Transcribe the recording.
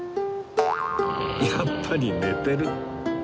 やっぱり寝てる